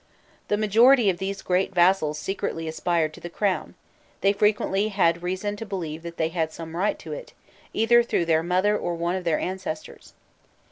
The majority of these great vassals secretly aspired to the crown: they frequently had reason to believe that they had some right to it, either through their mother or one of their ancestors.